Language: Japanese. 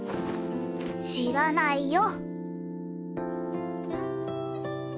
知らないよ！